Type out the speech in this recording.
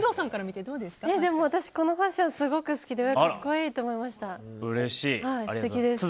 私はこのファッションすごく好きで格好いいと思いました。